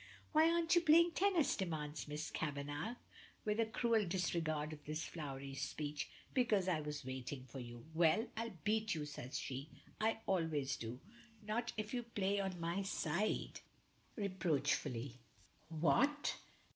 "Why aren't you playing tennis?" demands Miss Kavanagh, with a cruel disregard of this flowery speech. "Because I was waiting for you." "Well, I'll beat you," says she, "I always do." "Not if you play on my side," reproachfully. "What!